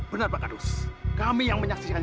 benar bakal terus kami yang menyaksikan